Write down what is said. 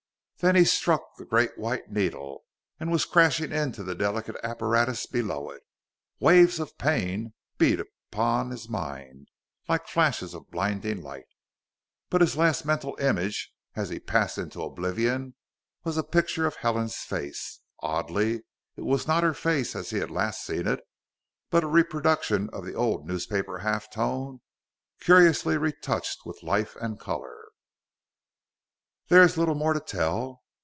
Then he had struck the great white needle, and was crashing into the delicate apparatus below it. Waves of pain beat upon his mind like flashes of blinding light. But his last mental image, as he passed into oblivion, was a picture of Helen's face. Oddly, it was not her face as he had last seen it, but a reproduction of the old newspaper half tone, curiously retouched with life and color. There is little more to tell.